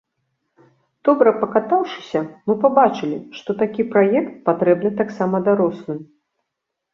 Добра пакатаўшыся, мы пабачылі, што такі праект патрэбны таксама дарослым.